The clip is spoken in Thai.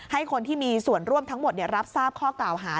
ให้คนที่มีส่วนร่วมทั้งหมดรับทราบข้อกล่าวหา